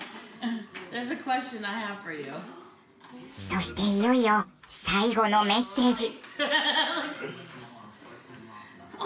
そしていよいよ最後のメッセージ。